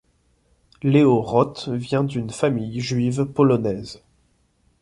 Leo Roth vient d'une famille juive polonaise.